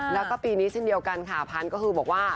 แล้วก็ปีนี้เช่นเดียวกันค่ะพันธุ์ก็คือบอกว่า